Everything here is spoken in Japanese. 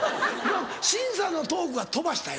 審査のトークは飛ばしたよ